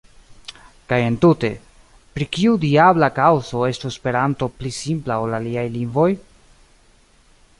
Kaj entute: Pro kiu diabla kaŭzo estu Esperanto pli simpla ol la aliaj lingvoj?